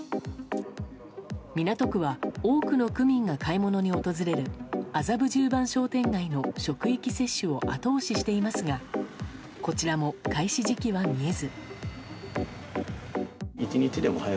港区は多くの区民が買い物に訪れる麻布十番商店街の職域接種を後押ししていますがこちらも開始時期は見えず。